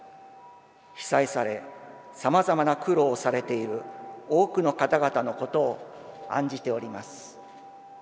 被災され様々な苦労をされている多くの方々のことを案じております。